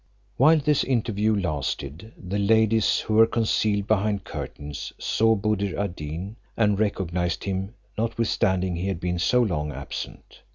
While this interview lasted, the ladies, who were concealed behind curtains, saw Buddir ad Deen, and recognized him, notwithstanding he had been so long absent.